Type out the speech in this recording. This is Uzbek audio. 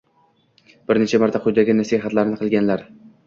bir necha marta quyidagi nasihatlarni qilganlar: